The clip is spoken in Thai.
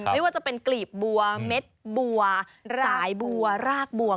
ไม่ว่าจะเป็นกลีบบัวเม็ดบัวสายบัวรากบัว